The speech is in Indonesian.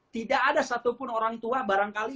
tidak ada satupun orang tua barangkali